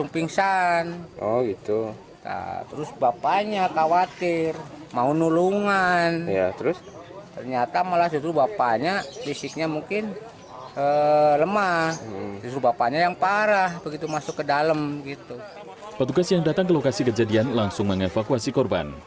petugas yang datang ke lokasi kejadian langsung mengevakuasi korban